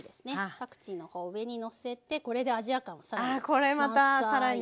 パクチーのほうを上にのせてこれでアジア感をさらに。